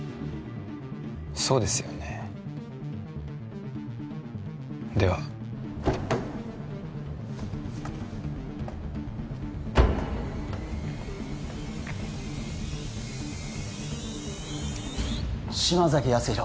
そうですよねでは嶋崎康弘